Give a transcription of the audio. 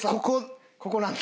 ここなんだ？